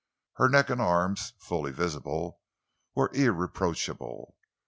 Her neck and arms, very fully visible, were irreproachable.